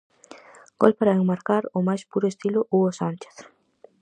Gol para enmarcar ó máis puro estilo Hugo Sánchez.